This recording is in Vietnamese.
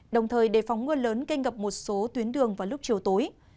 đồng thời đề phóng mưa lớn gây ngập một số tuyến đường vào lúc chiều tối